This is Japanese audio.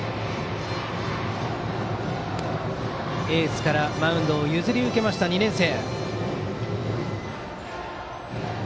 エースからマウンドを譲り受けました２年生。